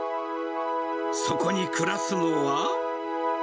そこに暮らすのは。